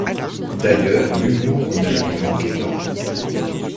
D’ailleurs, « l’humour » ne lui manquait pas